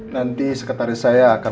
nanti sekretaris saya akan